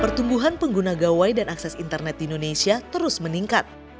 pertumbuhan pengguna gawai dan akses internet di indonesia terus meningkat